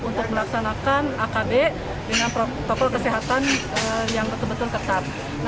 untuk melaksanakan akb dengan protokol kesehatan yang betul betul ketat